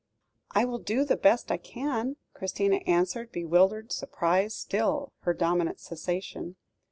"I will do the best I can," Christina answered, bewildered surprise still her dominant sensation.